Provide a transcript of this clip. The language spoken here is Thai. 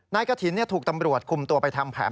นายกะถินเนี่ยถูกตำรวจคุมตัวไปทำแผล